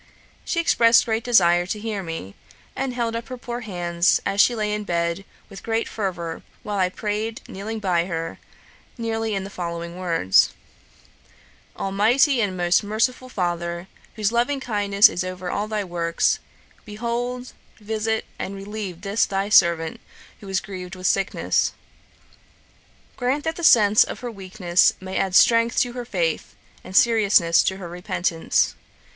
She expressed great desire to hear me; and held up her poor hands, as she lay in bed, with great fervour, while I prayed, kneeling by her, nearly in the following words: 'Almighty and most merciful Father, whose loving kindness is over all thy works, behold, visit, and relieve this thy servant, who is grieved with sickness. Grant that the sense of her weakness may add strength to her faith, and seriousness to her repentance.